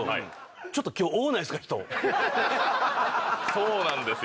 そうなんですよ。